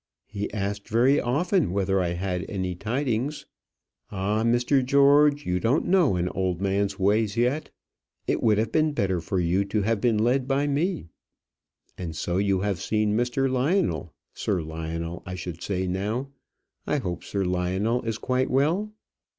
"He asked very often whether I had any tidings. Ah! Mr. George, you don't know an old man's ways yet. It would have been better for you to have been led by me. And so you have seen Mr. Lionel Sir Lionel, I should say now. I hope Sir Lionel is quite well."